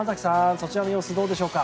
そちらの様子どうでしょうか。